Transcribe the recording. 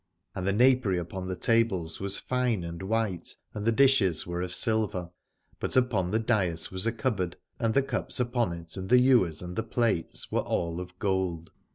And the napery upon the tables was fine and white, and the dishes were of silver : but upon the dais was a cupboard, and the cups upon it and the ewers and the plates were all of gold.